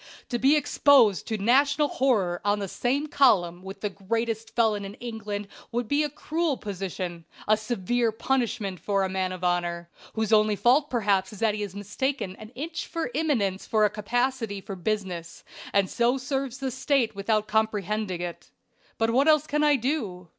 "To be exposed to national horror on the same column with the greatest felon in England would be a cruel position, a severe punishment for a man of honor, whose only fault perhaps is that he has mistaken an itch for eminence for a capacity for business, and so serves the State without comprehending it. But what else can I do?